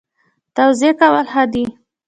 تواضع کول ښه دي